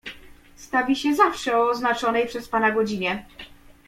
"Stawi się zawsze o oznaczonej przez pana godzinie."